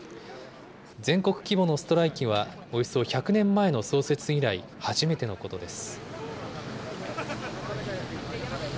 全国規模のストライキは、およそ１００年前の創設以来、初めてのことです。